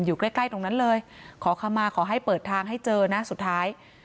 อยู่ใกล้ใกล้ตรงนั้นเลยขอคำมาขอให้เปิดทางให้เจอนะสุดท้าย